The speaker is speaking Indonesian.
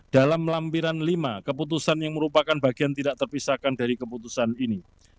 dalam lampiran lima keputusan yang merupakan bagian tidak terpisahkan dari keputusan ini